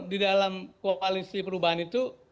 di dalam koalisi perubahan itu